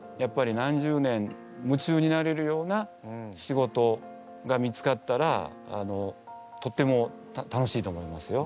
何十年夢中になれるような仕事が見つかったらとっても楽しいと思いますよ。